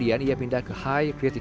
jangan membicara juga biasa